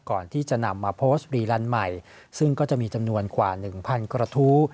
ก่อนที่จะนำมาโพสต์รีลันใหม่ซึ่งก็จะมีจำนวนกว่า๑๐๐กระทู้